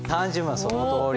そのとおり。